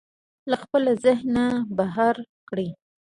له خپله ذهنه بهر کړئ.